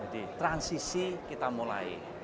jadi transisi kita mulai